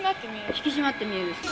引き締まって見える。